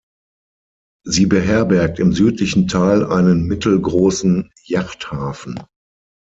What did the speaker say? Sie beherbergt im südlichen Teil einen mittelgroßen Yachthafen.